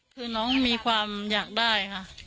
คือน้องมีความอยากได้ค่ะ